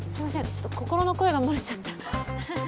ちょっと心の声がもれちゃったハハ。